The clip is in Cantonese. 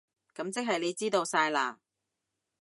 噉即係你知道晒喇？